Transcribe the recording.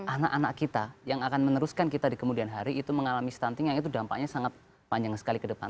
anak anak kita yang akan meneruskan kita di kemudian hari itu mengalami stunting yang itu dampaknya sangat panjang sekali ke depan